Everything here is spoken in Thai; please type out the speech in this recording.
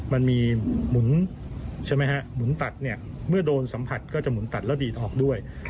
มันมีหมุนตัดเมื่อโดนสัมผัสก็จะหมุนตัดแล้วดีดออกด้วย